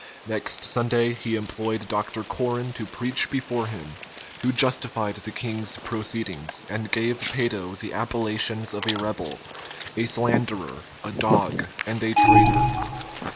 Next Sunday he employed Dr. Corren to preach before him; who justified the king's proceedings, and gave Peyto the appellations of a rebel, a slanderer, a dog, and a traitor.